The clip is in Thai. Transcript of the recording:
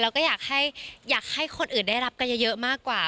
เราก็อยากให้คนอื่นได้รับกันเยอะมากกว่า